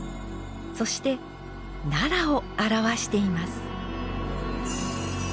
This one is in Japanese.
そして奈良を表しています。